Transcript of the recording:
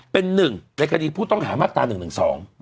เป็น๑ในคดีผู้ต้องหามาตราเป็น๑๒